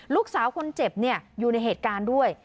ลูกสาวคนเจ็บอยู่ในเหตุการณ์ด้วย